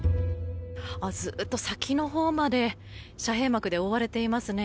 ずっと先のほうまで遮蔽幕で覆われていますね。